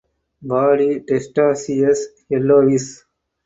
Body testaceous yellowish.